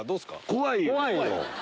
怖いよ。